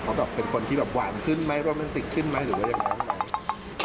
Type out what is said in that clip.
เขาเป็นคนที่หวานขึ้นไหมโรแมนติกขึ้นไหมหรือว่าอย่างไร